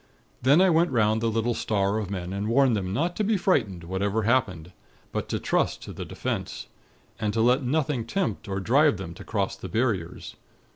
Then I went 'round the little star of men, and warned them not to be frightened whatever happened; but to trust to the 'Defense'; and to let nothing tempt or drive them to cross the Barriers.